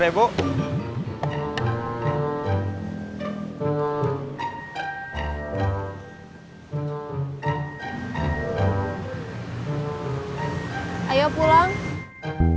oke berusaha selalu